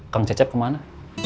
kang cecep kemana